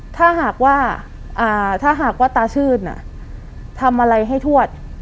ถ้าหากว่าตาชื่นน่ะทำอะไรให้ทวด